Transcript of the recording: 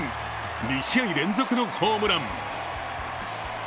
２試合連続のホームラン。